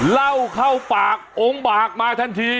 เหล้าเข้าปากองค์บากมาทันที